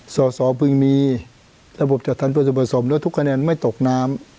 สอสอเพิ่งมีระบบจัดทันเพื่อจะผสมแล้วทุกคะแนนไม่ตกน้ำ